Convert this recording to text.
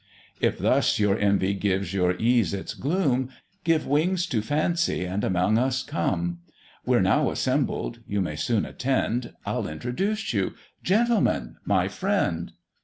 If thus your envy gives your ease its gloom, Give wings to fancy, and among us come. We're now assembled; you may soon attend I'll introduce you "Gentlemen, my friend."